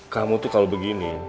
kamu tuh kalau begini